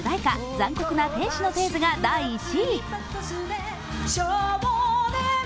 「残酷な天使のテーゼ」が第１位。